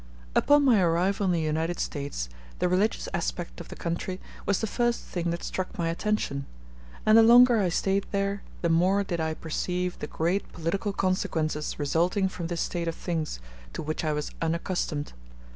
Upon my arrival in the United States, the religious aspect of the country was the first thing that struck my attention; and the longer I stayed there the more did I perceive the great political consequences resulting from this state of things, to which I was unaccustomed.